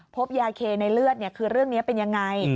พบยาเคในเลือดคือเรื่องนี้เป็นยังไง